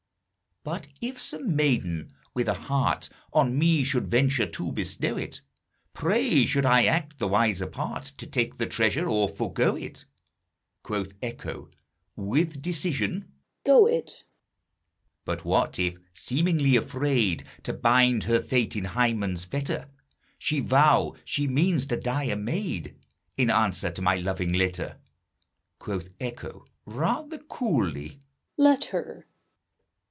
But if some maiden with a heart On me should venture to bestow it, Pray, should I act the wiser part To take the treasure or forego it? Quoth Echo, with decision, "Go it!" But what if, seemingly afraid To bind her fate in Hymen's fetter, She vow she means to die a maid, In answer to my loving letter? Quoth Echo, rather coolly, "Let her!"